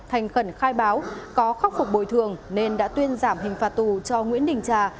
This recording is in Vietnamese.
thành khẩn khai báo có khắc phục bồi thường nên đã tuyên giảm hình phạt tù cho nguyễn đình trà